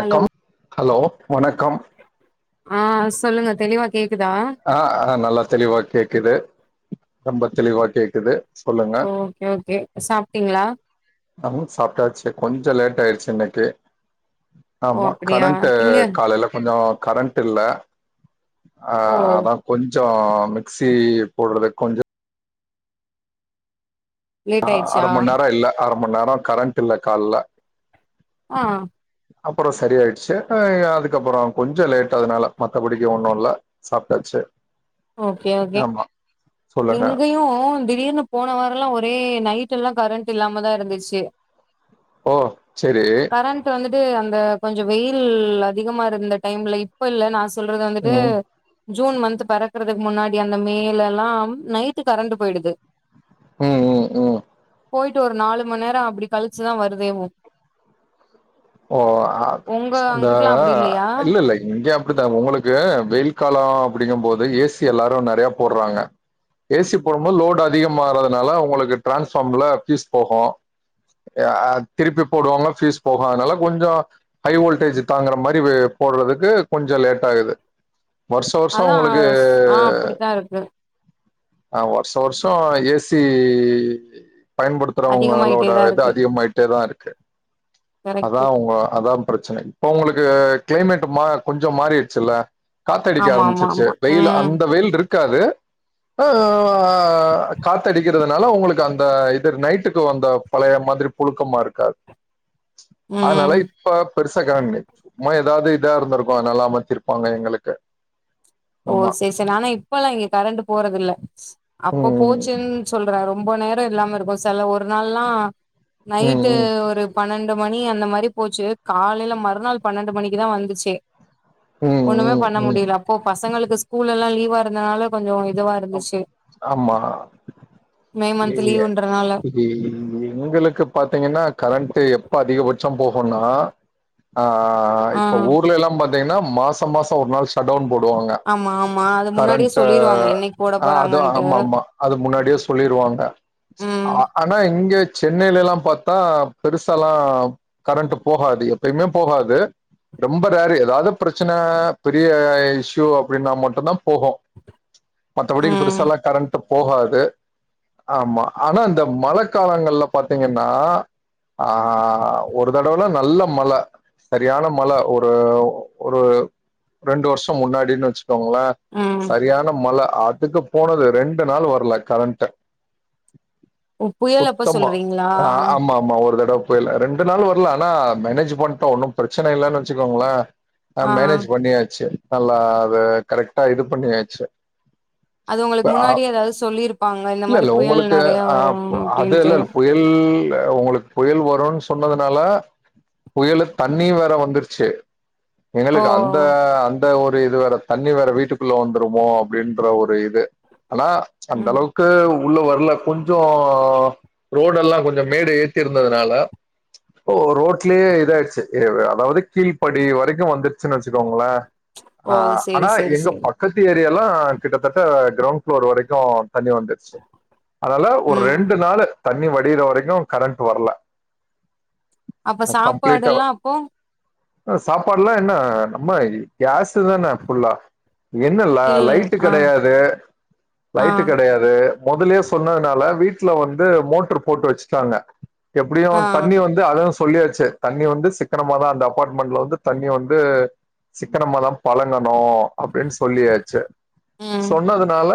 Hello hello வணக்கம் ஆ சொல்லுங்க தெளிவா கேக்குதா ஆ ஆ நல்லா தெளிவா கேக்குது ரொம்ப தெளிவா கேக்குது சொல்லுங்க ஓகே ஓகே சாப்ட்டீங்ளா அம் சாப்ட்டாச்சு கொஞ்சோ லேட்டாய்ச்சு இன்னிக்கு ஓ ஆமா அப்டியா கரண்ட்டு இங்க காலைல கொஞ்சோ கரண்ட் இல்ல ஆ ஓ அதா கொஞ்சோ மிக்சி போட்றது கொஞ்சோ ஆ லேட் அர ஆயிடுச்சா மண் நேரோ இல்ல அர மண் நேரோ கரண்ட் இல்ல கால்ல ஆ அப்பறோ சரியாயிட்ச்சு அ அதுக்கப்புறோ கொஞ்ச லேட் அதனால மத்தபடிக்க ஒண்ணு இல்ல சாப்ட்டாச்சு ஓகே ஓகே ஆமா சொல்லுங்க இங்கயும் திடீர்னு போன வாரல்லா ஒரே நைட்டெல்லா கரண்ட் இல்லாமதா இருந்துச்சு ஓ செரி கரண்ட்டு வந்துட்டு அந்த கொஞ்சோ வெயில் அதிகமா இருந்த டைம்ல இப்போ இல்ல நா சொல்றது வந்துட்டு ம் ஜூன் மந்த் பறக்கறதுக்கு முன்னாடி அந்த மேலல்லா ம் நைட்டு கரண்ட்டு போயிடுது ம் ம் ம் போயிட்டு ஒரு நாலு மண் நேரோ அப்டி கழிச்சு தா வருதேவு ஓ அ உங்க அந்த அங்குட்லா அ அப்டி இல்லையா இல்லல்லை இங்கயு அப்டித்தா உங்களுக்கு வெயில் கால அப்படிங்குபோது ஏ சி எல்லாரு நெறயா போட்றாங்க ஏ சி போடுபோ லோட் அதிகமாகுறதுனால ஒங்களுக்கு ட்ரான்ஸ்ஃபார்ம்ல ஃபீஸ் போகூ அ அ திருப்பி போடுவாங்க ஃபீஸ் போகூ அதுனால கொஞ்சோ ஹை வோல்டேஜ் தாங்குற மாரி வெ போட்றதுக்கு கொஞ்சோ லேட்டாகுது வருஷோ வருஷோ அதா ஒங்களுக்கு ஸ் ஆ அப்டித்தா இருக்கு ஆ வருஷோ வருஷோ ஏ சி பயன்படுத்துறவங்களோட அதிகமாயிட்டேதா இது இருக்கு அதிகமாயிட்டே தா இருக்கு அதா கரெக்ட் உங்க அதா ப்ரச்சன இப்ப ஒங்களுக்கு க்ளைமேட்டு மா கொஞ்சோ மாறிருச்சுல்ல காத்தடிக்க ஆமா ஆமா ஆரமிச்சிருச்சு ஆமா வெயில் ம் அந்த வெயில்ருக்காது அ அ காத்தடிக்கிறதுனால உங்களுக்கு அந்த இது நைட்டுக்கு வந்த பழைய மாதிரி புழுக்கமா இருக்கா அதனால ம் இப்ப பெருசா கரண் கடயா சும்மா எதாவ்து இதா இருந்துருக்கு அதனல்ல அமைச்சிருப்பாங்க எங்களுக்கு ஓ ஆமா செ செ நானா இப்பல்லா இங்க கரண்ட்டு போறது இல்ல அப்ப ம் போச்சுன் சொல் ர ரொம்ப நேரோ இல்லாம இருக்கூ செல ஒரு நாள்லா நைட்டு ம் ஒரு பனண்டு மணி அந்த மாரி போச்சு காலைல மறுநாள் பனண்டு மணிக்கு தா வந்துச்சே ம் ம் ஒண்ணுமே ம் பண்ண ம் முடியல அப்போ பசங்களுக்கு ஸ்கூல்லெல்லா லீவா இருந்தனால கொஞ்சோ இதுவா இரு ஆம். ந்துச்சு ஆமா மே மந்த்து லீவுன்றனால இ இ எங்களுக்கு பாத்தீங்கன்னா கரண்ட்டு எப்ப அதிகபட்சோ போகுன்னா ஆ ஆ இப்ப ஊர்ல எல்லா பாத்தீங்கன்னா மாச மாச ஒரு நாள் ஷட்டவுன் போடுவாங்க ஆமா ஆமா அது முன்னாடியே கரண்ட்டு சொல்லிருவாங்க என்னைக்கு போட ஆ அது போறாங்கன்ட்டு ஆமா ஆமா அது முன்னாடியே சொல்லிருவாங்க ம் ஆ ஆனா இங்க சென்னையிலெல்லா பாத்தா பெருசாலா கரண்ட்டு போகாது எப்பயுமே போகாது ரொம்ப ரேரு எதாவ்து ப்ரச்சனை பெரிய இஷ்யூ அப்டின்னா மட்டுந்தா போகூ மத்தபடி ம் பெருசாலா கரண்ட்டு போகாது ஆமா ஆனா இந்த மழ காலங்கள்ல பாத்தீங்கன்னா ஆ ஒரு தடவலா நல்ல மழ செரியான மழ ஒரு ஒரு ரெண்டு வருஷோ முன்னாடினு வச்சு கோங்கள ம் சரியான மழ அதுக்கு போனது ரெண்டு நாள் வர்ல கரண்ட்டு ஓ புயல் அப்ப சுத்தமா சொல்றீங்களா ர ஆமா ஆமா ஒரு தடவ போய்ல ரெண்டு நாள் வர்ல ஆனா மேனேஜ் பண்ட்டோ ஒன்னு ப்ரச்சன இல்லன் வச்சுக்கோங்கள ஆ மேனேஜ் பண்ணியாச்சு நல்லா அது கரெக்டா இது பண்ணியாச்சு அது உங்களுக்கு த ஆப் முன்னாடியே ஏதாவது சொல்லியிருப்பாங்க இந்த இல்ல மாரி இல்ல புயல் உங்களுக்கு நெறைய வரு அப் அது அப்டின்ட்டு இல்ல புய ல்ல உங்களுக்கு புயல் வருன்னு சொன்னதுனால புயலு தண்ணியு வேற வந்துருச்சு ஓ எங்களுக்கு அந்த அந்த ஒரு இது வேற தண்ணி வேற வீட்டுக்குள்ள வந்துருமோ அப்டின் ற ஒரு இது ஆனா அந்த ம் அளவு க்கு உள்ள வர்ல கொஞ்சோ ரோடெல்லா கொஞ்ச மேடு ஏத்திருந்ததுனால ஓ ரோட்லேயே இதாயிருச்சு இரி அதாவ்து கீழ்படி வரைக்கூ வந்துருச்சுன் வச்சுக்கோங்கள ஓ ஆ சேரி ஆனா சேரி எங்க சேரி பக்கத் து ஏரியாலா கிட்டத்தட்ட க்ரவுண் ஃப்ளோர் வரைக்கூ தண்ணி வந்துருச்சு அதனால ஒரு ம் ரெண்டு நாளு தண்ணி வடியுற வரைக்கூ கரண்ட்டு வர்ல அப்ப அ கம்ப்ளீட்டா சாப்பாடெல்லா அப்போ அ சாப்பாடுலா என்ன நம்ம இ கேஸ்ஸூ தான ஃபுல்லா என்ன ல இல் லைட்டு ஆ கெடையாது ஆ லைட்டு கெடையா து மொதலே சொன்னதுனால வீட்டுல வந்து மோட்ரு போட்டு வச்சுட்டாங்க ஆ எப்டியும் தண்ணி வந் அது அளவு சொல்லியாச்சு தண்ணி வந்து சிக்கனமா தான் அந்த அபார்ட்மெண்ட்ல வந்து தண்ணி வந்து சிக்கனமாதா பழகணு அப்டின் சொல்லியாச்சு ம் சொன்னதுனால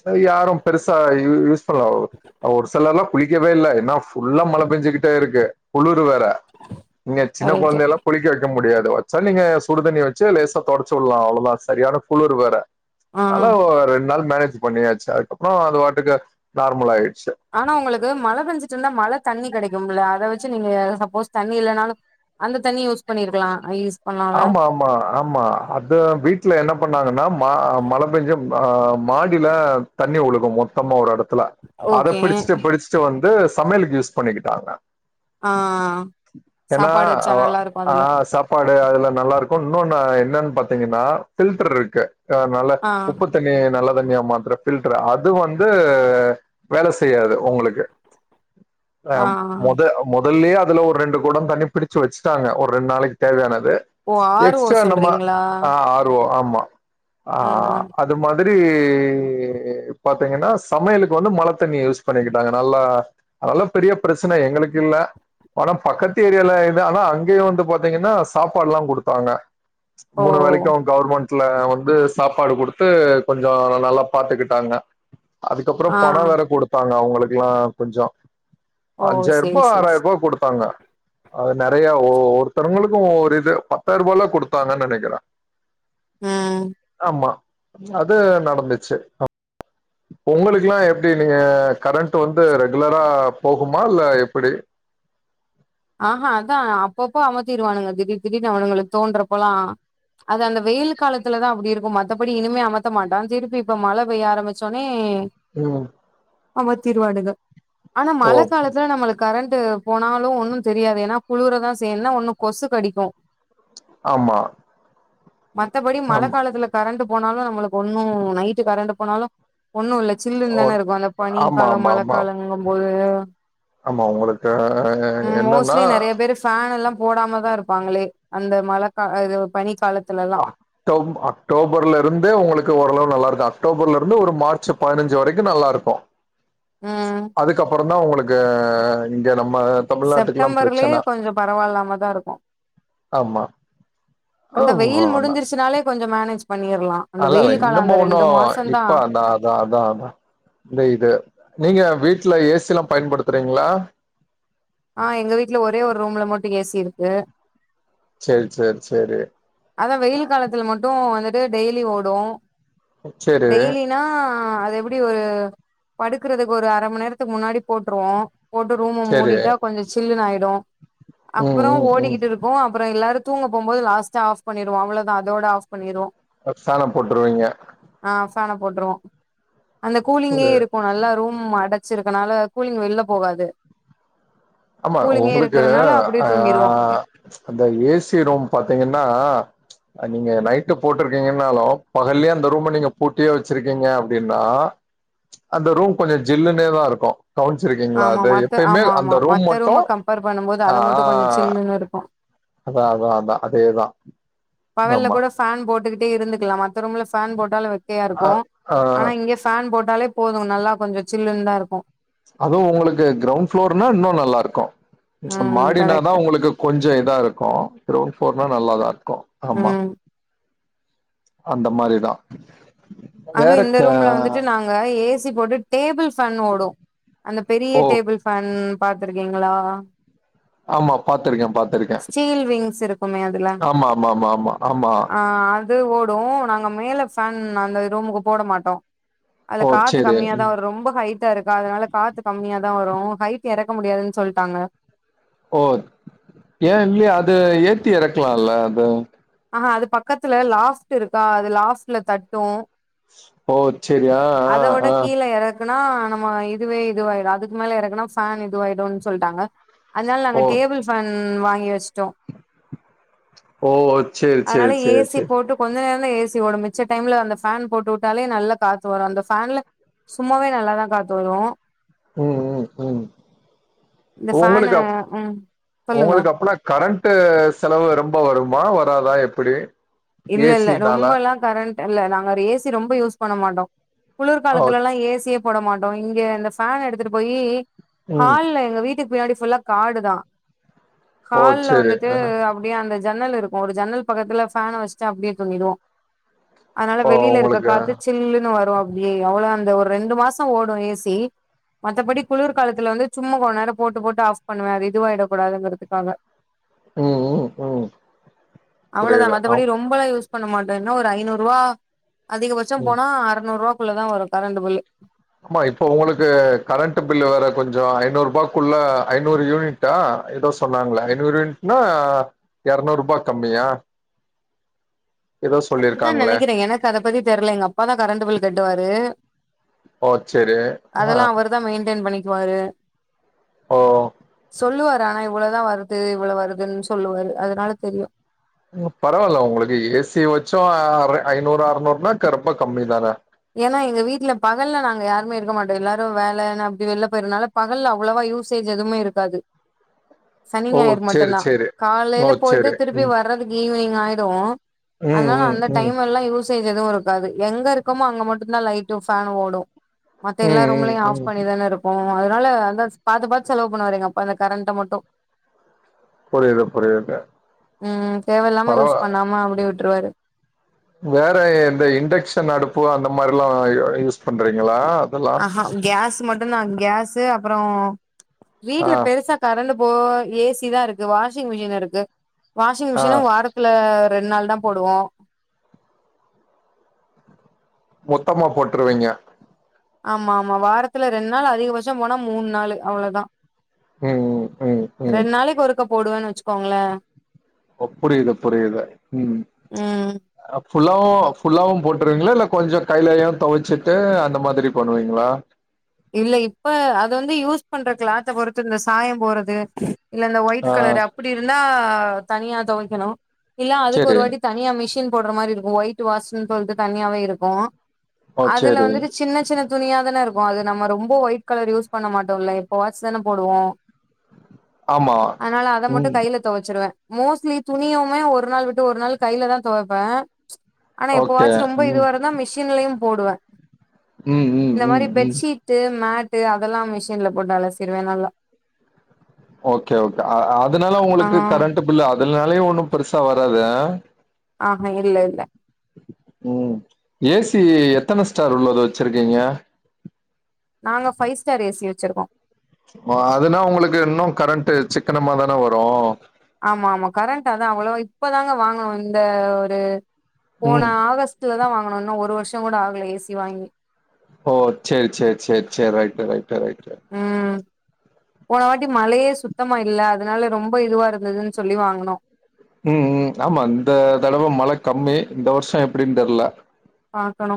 சரி யாரு பெருசா இ யூஸ் [unintelligible] ஒரு சிலர்ல்லா குளிக்கவே இல்ல ஏன்னா ஃபுல்லா மழ பெஞ்சுகிட்டே இருக்கு குளுரு வேற ங்க சின்ன கரெக்ட்டு குழந்தைள்ளா குளிக்க வெக்க முடியாது வச்சா நீங்க சுடுதண்ணி வெச்சு லேசா தொடச்சு உட்லா அவ்ளோதா சரியான குளுரு வேற ஆ அதனால ரெண்டு நாள் மேனேஜ் பண்ணியாச்சு அதுக்கப்பறம் அது வாட்டுக்கு நார்மல் ஆயிடுச்சு ஆனா உங்குளுக்கு மழ பெஞ்சுட்டு இருந்தா மழ தண்ணி கெடைக்கும்ல அத வெச்சு நீங்க சப்போஸ் தண்ணி இல்லனாலு அந்த தண்ணி யூஸ் பண்ணிருக்கலா யூஸ் பண்ணலால ஆமா ஆம் மா ஆம்மா அத வீட்ல என்ன பண்ணாங்கன்னா மா மழ பெஞ்சு ஆ மாடில தண்ணி ஒழுகு மொத்தமா ஒரு எடத் துல அத ஓகே பிடிச்சுட்டு பிடிச்சுட்டு வந்து சமயலுக்கு யூஸ் பண்ணிக்கிட்டாங்க ஆ என்னா சாப்பாடு வச்சா நல்லா இருக்கு ஆ அதுல சப் [unintelligible] அதுல நல்லா இருக்கு இன்னொன்னு என்னன் பாத்தீங்கன்னா ஃபில்டர் இருக்கு நல்லா ஆ உப்புத் தண்ணிய நல்ல தண்ணியா மாத்துர ஃபில்டர் அது வந்து வேல செய்யாது உங்குளுக்கு ஆ மொத மொதல்யே அதுல ஒரு ரெண்டு கொடம் தண்ணி பிடிச்சு வெச்சுட்டாங்க ஒரு ரெண்டு நாளைக்கு தேவையான து ஓ ஆர் ஓ எக்ஸ்ட்ரா நம்ம சொல்றீங்களா ஆ ஆர்ஓ ஆமா ம் ம் அ து மாதிரி ஏ பாத்தீங்கன்னா சமையலுக்கு வந்து மழத்தண்ணி யூஸ் பண்ணிக்கிட்டாங்க நல்லா அதலா பெரிய பிரச்சன எங்களுக்கு இல்ல ஆனா பக்கத்து ஏரியால இது ஆனா அங்கயு வந்து பாத்தீங்கன்னா சாப்பாட்ல்லா குடுத்தாங்க ஓ மூணு வேலைக்கு கவர்மெண்ட்ல வந்து சாப்பாடு குடுத்து கொஞ்சம் நல்லா பாத்துக்கிட்டாங்க ஆ அதுக்கப்பறம் பணம் வேற குடுத்தாங்க அவங்களுக்குல்லா கொஞ்சொ ஓ அஞ்சாயிர் சேரி ரூபா சேரி சே ஆறாயிர் ரூபா குடுத்தாங்க அது நெறைய ஒருத்தருங்களுக்கு ஒருத்தருங்களுக்கும் ஒ இது பத்தாயிர ரூபால குடுத்தாங்கனு நெனைக்கிற ம் ஆமா ம் அது நடந்துச்சு உங்குளுக்கெல்லா எப்டி நீங்க கரெண்ட் வந்து ரெகுலரா போகுமா இல்ல எப்பிடி ஆஹா அதா அப்பப்போ அமத்திருவானுங்க திடீர் திடீர்னு அவனுங்களுக்கு தோன்றப்பலா அது அந்த வெயில் காலத்துலதா அப்டி இருக்கு மத்தபடி இனிமே அமத்த மாட்டா திருப்பி இப்ப மழ பெய்ய ஆரம்பிச்ச உனே ம் அமத்திருவானுங்க ஆனா ஓ மழ காலத்துல நம்மளுக்கு கரண்ட்டு போனாலும் ஒன்னும் தெரியாது ஏனா குளுர தா செய்யு என்னா ஒன்னு கொசு கடிக்கும் ஆமா மத்தபடி மழ ஆமா காலத்துல கரண்ட்டு போனாலு நம்மளுக்கு ஒண்ணும் நைட்டு கரண்ட்டு போனாலு ஒண்ணு இல்ல சில்லுன்னு ஓ தானே இருக்கும் அந்த பனி ஆமா காலம் ஆமா மழ ஆமா காலங்கும் போது ஆமா உங்குளுக்கு உம் மோஸ்ட்லி நெறைய பேரு ஃபேன் எல்லாம் போடாம தா இருப்பாங்களே அந்த மழ கால இது பனி காலத் அ அக்டோ அக்டோபர்ல இருந்து உங்களுக்கு ஓரளவு நல்லா இருக்கு அக்டோபர்ல இருந்து ஒரு மார்ச் பதினஞ்சு வரைக்கும் நல்லா இருக்கும் ம் அதுக்கப்புற தா உங்களுக்கு இங்க நம்ம தமிழ்நாட்டுக்குல்லா செப்டம்பர்லயே பிரச்சன கொஞ்சோ பரவாயில்லாம தா இருக்கு ஆமா ஔ அந்த வெயில் முடிஞ்சிருச்னாலே கொஞ்சோ மேனேஜ் பண்ணிர்லா அந்த அதுலா இல்ல வெயில் காலோ இன்னுமு அந்த ஒன்னு ரெண்டு மாசந்தா இப்ப அதா அதா அதா இந்த இது நீங்க வீட்ல ஏசில்லா பயன்படுத்றீங்ளா ஆ எங்க வீட்ல ஒரே ஒரு ரூம்ல மட்டும் ஏசி இருக்கு சேரி சேரி சேரி அதா வெயில் காலத்துல மட்டும் வந்துட்டு டெய்லியு ஓடூ சேரி டெய்லி ன்னா அது எப்டி ஒரு படுக்கறதுக்கு ஒரு அரமன்னேரத்துக்கு முன்னாடி போட்ருவோம் போட்டு ரூம சேரி மூடிட்டா கொஞ்சோ சில்லுனு ஆயிடும் ம் அப்றோ ம் ம் ஓடிக்கிட்டு இரு க்கும் அப்றோம் எல்லாரும் தூங்க போம் போது லாஸ்டா ஆஃப் பண்ணிருவோ அவ்ளோதா அதோட ஆஃப் பண்ணிருவோ ஃபேன போட்ருவீங்க ஆ ஃபேன போட்வோம் அந்த ஒரு கூலிங்கே இருக்கும் நல்லா ரூம் ம் அடச்சிருக்கனால கூலிங் வெளில போகாது ஆமா கூலிங்கே உங்களுக்கு இருக்கறனால அப்டியே ஆ தூங்கிருவோ அந்த ஏசி ரூம் பாத்தீங்கன்னா நீங்க நைட்டு போட்டுருக்கீங்கனாலும் பகல்லயே அந்த ரூம நீங்க பூட்டியே வச்சிருக்கீங்க அப்டின்னா அந்த ரூம் கொஞ்சம் ஜில்லுனே தா இருக்கும் கவனிச்சுருக்கீங்களா ஆமா அது மத்த எப்பயுமே ஆமா அந்த ஆமா மத்த ரூம் அ கம்பேர் பண்ணும் போது ஆ அது மட்டும் கொஞ்சோ சில்லுனு இருக்கும் அதா அதா அதா அதேதா பகல்ல ஆமா கூட ஃபேன் போட்டுக்கிட்டே இருந்துகலா மத்த ரூம்ல ஃபேன் போட்டாலு வெக்கையா அ இருக்கு ஆ ஆனா இங்க ஃபேன் போட்டாலே போது நல்லா கொஞ்சோ சில்லுன்தா இருக்கு அதுவு உங்களுக்கு கிரௌண்ட் ஃபளோர்னா இன்னு நல்லாருக்கு ம் மாடினாதா கரெக்ட் உங்களுக்கு கொஞ்சோ இதாருக்கு கிரவுண்ட் ஃப்ளோர்னா நல்லாதார்க்கு ஆமா ம் அந்த மாரிதா வேறக்க இங்க ஏசி போட்டு டேபிள் ஃபேன் ஓடு அந்த பெரிய ஓ டேபிள் ஃபேன் பாத்துர்கீங்களா ஆமா பாத்துருக்கே பாத்துருக் ஸ்டீல் விங்ஸ் இருக்குமே அதுல ஆமா, ஆமா, ஆமா, ஆமா. ஆ து ஓடு நாங்க மேல ஃபேன் அந்த ரூமுக்கு போட மாட்டோ அதுல ஓ! காத்து சரி. கம்மியாதா ம். வரு ரொம்ப ஹைட்டா இருக்கா அதுனால காத்து கம்மியாதா வரு ஹைட் எறக்க முடியாதுன் சொல்டாங்க ஓ ஏ இல்லியே அது ஏத்தி எறக்கலால்ல அது ஆ அது பக்கத்துல லாஸ்ட்ல இருக்கா அது லாஸ்ட்ல தட்டு ஓ செரி ஆ ஆ ஆ னா நம்ம இதுவே இதுவாயிடு அதுக்மேல எறக்குனா ஃபேன் இதுவாயிடும்னு சொல்டாங்க அதுனால நாங்க ஓ! டேபிள் ஃபேன் வாங்கி வஷ்டோ ஓ சேர் சேர் சேர் சேர் போட்டு கொஞ்ச நேரந்தா ஏசி ஓடும் மிச்ச டைம்ல அந்த ஃபேன் போட்டுட்டாலே நல்ல காத் த்து வரு அந்த ஃபேன்ல சும்மாவே நல்லாதா காத்து வரு உம்ம் உம் இந்த ஃபேனு உங்களுக்கு அப் ம் சொல்லுங்க உங்களுக்கு அப்பனா கரண்ட்டு செலவு ரொம்ப வருமா வராதா எப்டி இல்லல்ல ரொம்பல்லா கரெண்ட் இல்ல நாங்க ஏசி ரொம்ப யூஸ் பண்ண மாட்டோ ஓ! குளிர்காலத்துலலா ஏசியே போட மாட்டோ இங்க இந்த ஃபேன் எடுத்துட்டு போயி ம். ஹால்ல எங்க வீட்டுக்கு பின்னாடி ஃபுல்லா காடு தா ஓ! ஹால்ல சரி. வந்துட்டு ஆ. அப் ப்டியே அந்த ஜன்னல் இருக்கு ஒரு ஜன்னல் பக்கத்துல ஃபேன வஷ்ட்டு அப்டியே தூங்கிர்வோ அதுனால ஓ! வெளியில இருக்க உங்களுக்கு காத்து சி சில்லுன்னு வரு அப்டியே அவ்ளோ அந்த ஒரு ரெண்டு மாசோ ஓடு ஏ சி மத்தபடி குளுர்கலத்துல வந்து சும்மா கொன் நேர போட்டு போட்டு ஆஃப் பண்ணுவே அது இதுவாயிடக்கூடாதுங்கிறதுக்காக ம் ம் ம் புரியுது ஆம் ரொம்பளா யூஸ் பண்ண மாட்டோ என்னா ஒரு ஐநூறுவா அதிகபட்சோ ம். போனா அறநூருவாக்குள்ளதா வரு கரெண்டு பில்லு ஆமா இப்ப உங்களுக்கு கரண்ட் பில்லு வேற கொஞ்சோ ஐநூருபாக்குள்ள ஐநூறு யூனிட் டா ஏதோ சொன்னாங்கள ஐநூறு யூனிட்னா எரநூரூபா கம்மியா ஏதோ அப்படித்தா சொல்லியிருக்காங்களே நெனைக்கிறே எனக்கத பத்தி தெர்ல எங்க அப்பாதா கரண்ட்டு பில் கட்டுவாரு ஓ செரி ஆ தா மெயின்டென் பண்ணிக்குவாரு ஓ சொல்லுவாரு ஆனா இவ்ளதா வருது இவ்ள வருதுன் சொல்லுவாரு அதனால தெரியு ம் பரவால்ல உங்களுக்கு ஏ சி வச்சு அற ஐநூறு அறநூறுன்னா கரப்ப கம்மி தான ஏன்னா எங்க வீட்டுல பகல்ல நாங்க யாருமே இருக்க மாட்டோ எல்லாரு வேலனு அப்டி வெள்ல போய்ர்னால பகல்ல அவ்ளவா யூசேஜ் எதுமே இருக்காது சனி ஓ ஞாயிற் சரி மட்டுந்தா சரி ஓ காலைல போய்ட்டு சரி திருப்பி ம் வர்றது ஈவினிங் ஆய்டு ம் அதனால ம் அந்த ம் டைம் எல்லா யூசேஜ் எதுவுருக்காது எங்கருக் கமோ அங்க மட்டுந்தா லைட்டு ஃபேன்னு ஓடு மத்த எல்லா ம் ரூம்லையு ஆஃப் ம் ம் பண்ணிதானருக் கு அதனால வந்தா பாத்துபாத் செலவு பண்ணுவாரு எங்க அப்பா இந்த கரண்ட மட்டு புரியுது புரியுது ம் தேவ இல்லாம பரவா யூஸ் பண்ணாம அப்டி விட்ருவாரு வேற இந்த இண்டக்ஷன் அடுப்பு அந்த மாரிலா யூஸ் பண்றீங்களா அதெல்லாம் ஆஹா கேஸ் மட்டுந்தா கேஸ்சு அப்பறோ ஆ வீட்டுல பெருசா கரெண்ட்டு போ ஏ சி தா இருக்கு வாஷிங் மிஷின் இருக்கு வாஷிங் ஆ மிஷினு வாரத் ல ரெண் நாள் தா போடுவோ மொத்தமா போட்ருவீங்க ஆமா ஆமா வாரத்துல ரெண் நாள் அதிகபட்சம் போனா மூன் நாளு அவ்ளதா ம், ம், ம். ரெண் நாளைக் ஒருக்க போடுவேன் வெச்சுக்கோங்ளே ஒ புரியுது புரியுது ம் ம் அ ஃபுல்லாவு ஃபுல்லாவு போட்ருவீங்களா இல்ல கொஞ்சோ கையிலயு தொவச்சிட்டு அந்த மாதிரி பண்ணுவீங்களா இல்ல இப்ப அது வந்து யூஸ் பண்ற கிளாத்த பொறுத்து இந்த சாயம் போறது இல்ல இந்த ஒயிட் ஆ கலர் அப்படி இருந்தா தனியா தொவைக்கணு இல்ல அதுக்கு ஒரு சரி. வாட்டி தனியா மிஷின் போற்ற மாறி இருக்கு ஒயிட் வாஷ்ன் சொல்ட்டு தனியாவே இருக்கு ஓ அதுல சரி. வந்துட்டு சின்ன சின்ன துணியா தான இருக்கு அது நம்ம ரொம்ப ஒயிட் கலர் யூஸ் பண்ண மாட்டோல்ல எப்பவாச்சு தான போடுவோ ஆமா. அதனால அத மட்டு ம். கைல தொவச்சிருவே மோஸ்ட்லி துணியுமே ஒரு நாள் விட்டு ஒரு நாள் கைல தா தொவப்பே ஆனா எப்ப ஓகே. வாச்சு ரொம்ப ம். இதுவா இருந்தா மிஷின்லியு போடுவே ம், ம், இந்த மாரி ம், ம். பெட்ஷீட் டு மேட்டு அதல்லா மிஷின்ல போட் அலசிறுவே நல்லா ஓகே ஓகே அதனால உங்களுக்கு ஆ கரண்ட் பில்லு அதுனாலயே ஒண்ணு பெருசா வராது அ ஆஹ ஏது இல்ல இல்ல ம் ஏ சி எத்தன ஸ்டார் உள்ளது வச்சிருக்கீங்க நாங்க ஃபைவ்ஸ்டார் ஏ சி வெச்சுருக்கோ அ அதுனா உங்களுக்கு இன்னு கரண்ட்டு சிக்கனமாதான வரு ஆமா ஆமா கரண்ட் அதா அவ்ளவா இப்பதாங்க வாங்னோ இந்த ஒரு போன ம். ஆகஸ்ட்ல தா வாங்குனோ இன்னு ஒரு வருஷோ கூட ஆகல ஏசி வாங்கி ஓ சேர் சேர் சேர் சேரி ரைட்டு ரைட்டு ரைட்டு உம் போனவாட்டி மழயே சுத்தமா இல்ல அதனால ரொம்ப இதுவா இருந்ததுன் சொல்லி வாங்குனோ ம்ம் ஆமா இந்த தடவ மழ கம்மி இந்த வருஷோ எப்டின் தெர்ல பாக்கணு